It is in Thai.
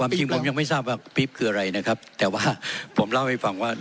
จริงผมยังไม่ทราบว่าปี๊บคืออะไรนะครับแต่ว่าผมเล่าให้ฟังว่า